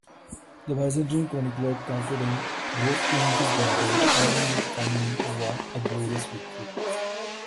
The Byzantine chronicler, Chalcondyles, wrote: In this battle, Arianit Komneni won a glorious victory.